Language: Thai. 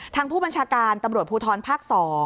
ทางผู้บัญชาการตำรวจภูทรภาค๒